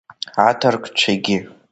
Аҭырқәцәагьы.